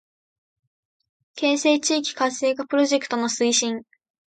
県西地域活性化プロジェクトの推進